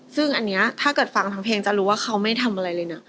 ซึ่งอันนี้ถ้าเกิดฟังทั้งเพลงจะรู้ว่าเขาไม่ทำอะไรเลยนะ